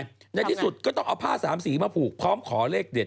ในที่สุดก็ต้องเอาผ้าสามสีมาผูกพร้อมขอเลขเด็ด